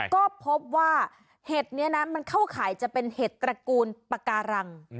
ก็พบว่าเห็ดนี้นะมันเข้าข่ายจะเป็นเห็ดตระกูลปาการัง